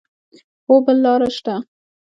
هو، بل لار شته